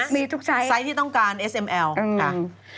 มีสไซส์ที่ต้องการมีทุกไซส์